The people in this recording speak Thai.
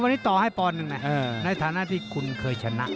ในฐานะที่คุณเคยชนะ